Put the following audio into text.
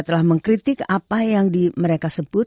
telah mengkritik apa yang mereka sebut